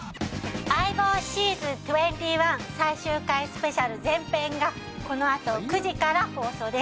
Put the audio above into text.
『相棒ｓｅａｓｏｎ２１』最終回スペシャル前篇がこのあと９時から放送です。